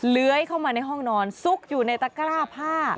เลื้อยเข้ามาในห้องนอนซุกอยู่ในตะกร้าผ้า